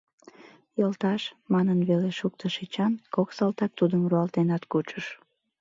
— Йолташ... — манын веле шуктыш Эчан, кок салтак тудым руалтенат кучыш.